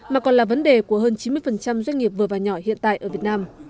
mà còn là vấn đề của hơn chín mươi doanh nghiệp vừa và nhỏ hiện tại ở việt nam